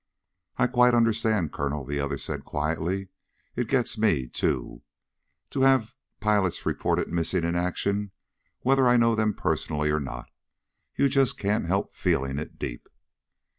"I quite understand, Colonel," the other said quietly. "It gets me, too, to have pilots reported missing in action, whether I know them personally or not. You just can't help feeling it deep."